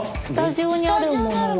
スタジオにあるもの。